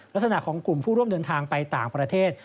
ลักษณะของกลุ่มผู้ร่วมเดินทางไปต่างประเทศ